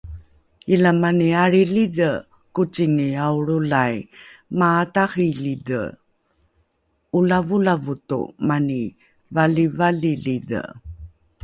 Ila mani alrilidhe kocingi aolrolai, maataheilidhe 'olavolavoto, mani valivalilidhe